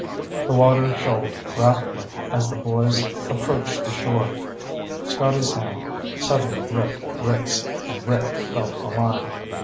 The water shoaled rapidly as the boys approached the shore. Scotty's hand suddenly gripped Rick's, and Rick felt the line.